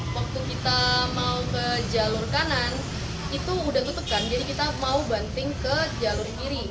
waktu kita mau ke jalur kanan itu udah tutupkan jadi kita mau banting ke jalur kiri